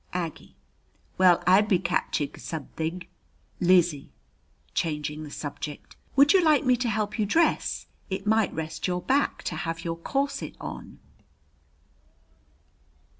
Aggie: Well, I'b catchig sobethig. Lizzie (changing the subject): Would you like me to help you dress? It might rest your back to have your corset on.